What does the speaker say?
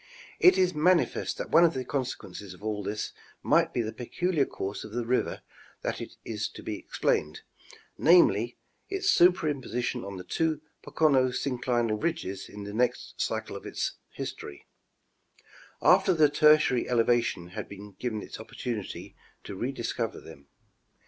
It is manifest that one of the consequences of all this might be the peculiar course of the river that is to be explained, namely, its superimposition on the two Pocono synclinal ridges in the next cycle of its history, after the Tertiary elevation had given it opportunity to re discover them.